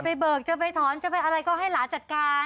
เบิกจะไปถอนจะไปอะไรก็ให้หลานจัดการ